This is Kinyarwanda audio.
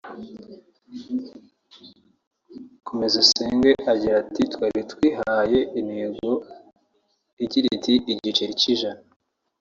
Komezusenge agira ati “Twari twihaye intego igira iti ‘Igiceri cy’ijana